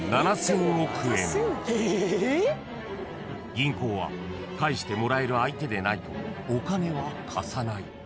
［銀行は返してもらえる相手でないとお金は貸さない］